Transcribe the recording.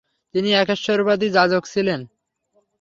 তিনি একেশ্বরবাদী যাজক ছিলেন।